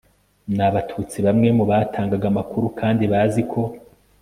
n Abatutsi Bamwe mu batangaga amakuru kandi bazi ko